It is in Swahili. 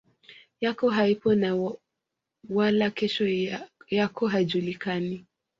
yako haipo na wala kesho yako haijulikani